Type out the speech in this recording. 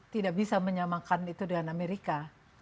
tidak bisa menyamakan itu dengan amerika